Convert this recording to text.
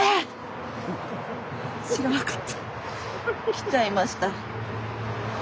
来ちゃいました。